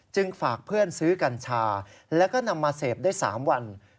จึงฝากเพื่อนซื้อกันชาและนำมาเสพได้๓วัน